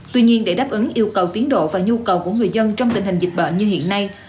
tuy nhiên để đáp ứng yêu cầu tiến độ và nhu cầu của người dân trong tình hình dịch bệnh như hiện nay